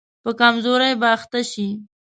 په کمزوري به اخته شي.